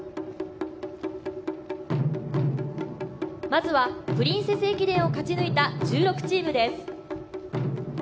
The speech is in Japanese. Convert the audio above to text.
まずは、プリンセス駅伝を勝ち抜いた１６チームです。